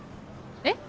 えっ？